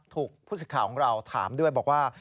ผู้สิทธิ์ข่าวของเราถามด้วยบอกว่า